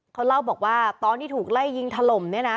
เขาเล่าบอกว่าตอนที่ถูกไล่ยิงถล่มเนี่ยนะ